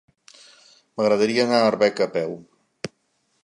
M'agradaria anar a Arbeca a peu.